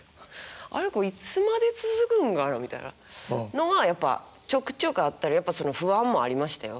これいつまで続くんかな」みたいな。のがやっぱちょくちょくあったりやっぱ不安もありましたよ。